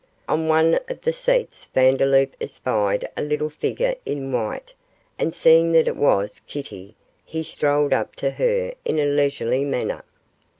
On one of the seats Vandeloup espied a little figure in white, and seeing that it was Kitty, he strolled up to her in a leisurely manner.